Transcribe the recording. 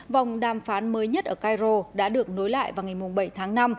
vòng đàm phán mới nhất ở cairo đã được nối lại vào ngày bảy tháng năm